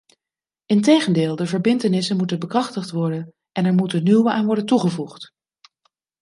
Integendeel, de verbintenissen moeten bekrachtigd worden en er moeten nieuwe aan worden toegevoegd.